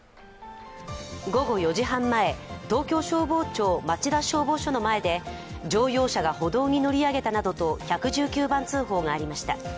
午後４時半前、東京消防庁町田消防署の前で乗用車が歩道に乗り上げたなどと１１９番通報がありました。